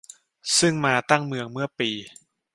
ซึ่งมาตั้งเมืองเมื่อปี